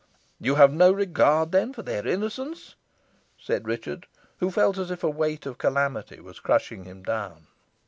"You have no regard, then, for their innocence?" said Richard, who felt as if a weight of calamity was crushing him down.